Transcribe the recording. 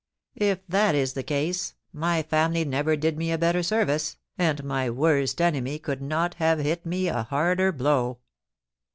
If that is the case, my family never did me a better service, and my worst enemy could not have hit me a harder blow.